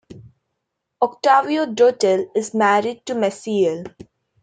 Octavio Dotel is married to Massiel.